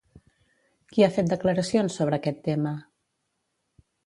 Qui ha fet declaracions sobre aquest tema?